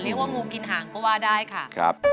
เรียกว่างูกินห่างก็ว่าได้ค่ะ